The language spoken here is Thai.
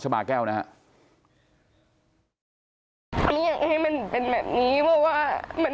ต้องให้มันเป็นแบบนี้เพราะว่า